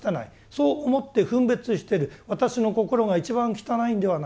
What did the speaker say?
そう思って分別してる私の心が一番汚いんではないか？